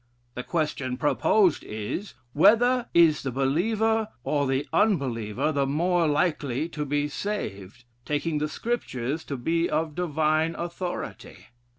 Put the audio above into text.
The question proposed is, 'Whether is the believer or the unbeliever the more likely to be saved, taking the Scriptures to be of divine authority!'